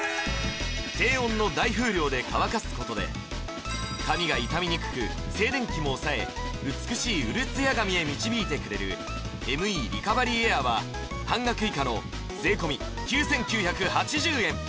低温の大風量で乾かすことで髪が傷みにくく静電気も抑え美しいうるツヤ髪へ導いてくれるＭＥリカバリーエアーは半額以下の税込９９８０円